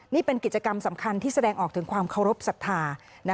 นี่เป็นกิจกรรมสำคัญที่แสดงออกถึงความเคารพสัทธา